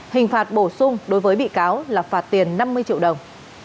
hình phạt bổ sung đối với bị cáo là phạt tiền năm mươi triệu đồng